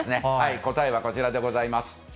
答えはこちらでございます。